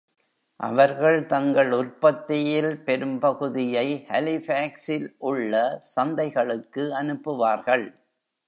அவர்கள் தங்கள் உற்பத்தியில் பெரும்பகுதியை Halifax-இல் உள்ள சந்தைகளுக்கு அனுப்புவார்கள்.